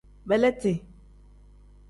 Beleeti.